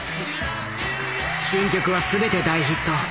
新曲は全て大ヒット。